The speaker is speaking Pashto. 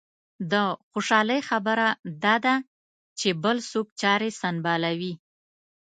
د خوشالۍ خبره دا ده چې بل څوک چارې سنبالوي.